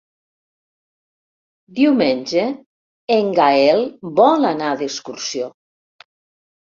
Diumenge en Gaël vol anar d'excursió.